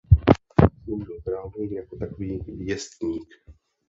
Sloužil králům jako takový věstník.